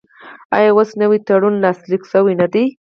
آیا اوس نوی تړون لاسلیک شوی نه دی؟